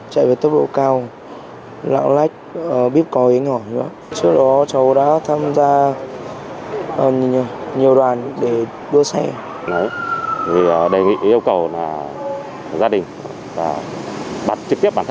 trong thời gian vừa qua